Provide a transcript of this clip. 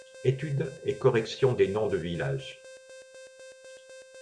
Étude et correction des noms de villages.